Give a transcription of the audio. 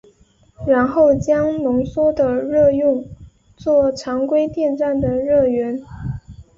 然后将浓缩的热用作常规电站的热源。